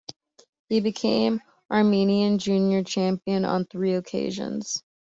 He became Armenian junior champion on three occasions.